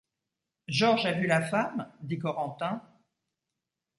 Georges a vu la femme ?… dit Corentin.